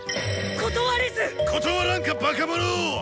断らんかバカ者！